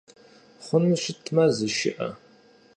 Хъуну щытмэ зышыӏэ!